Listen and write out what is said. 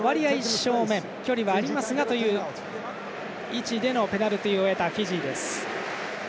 正面距離はありますがという位置でのペナルティを得たフィジーです。